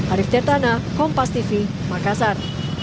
arief tetana kompas tv makassar